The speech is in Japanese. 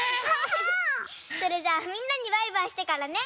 それじゃあみんなにバイバイしてからね。